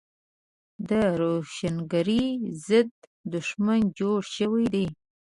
د روښانګرۍ ضد دښمن جوړ شوی دی.